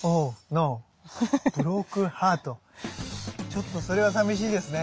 ちょっとそれはさみしいですね。